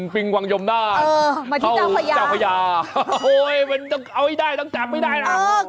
ปิงวังยมนาคเจ้าพญาโอ้ยมันต้องเอาให้ได้ต้องจำไม่ได้นะ